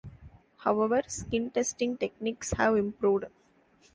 However, skin testing techniques have improved.